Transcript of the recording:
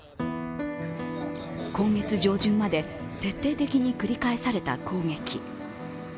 今月上旬まで徹底的に繰り返された攻撃。